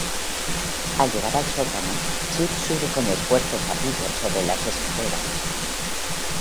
Al llegar al sótano, Chip sube con esfuerzos a Peter sobre las escaleras.